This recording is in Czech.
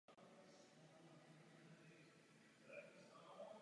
Cestoval velmi skromně a živil se příležitostnou prací.